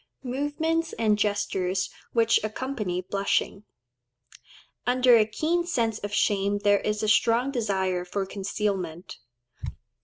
Movements and gestures which accompany Blushing.—Under a keen sense of shame there is a strong desire for concealment.